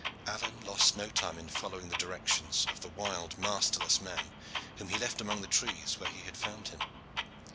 Alleyne lost no time in following the directions of the wild, masterless man, whom he left among the trees where he had found him.